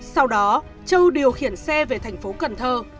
sau đó châu điều khiển xe về thành phố cần thơ